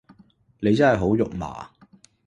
你真係好肉麻